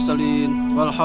lo yang sabar ya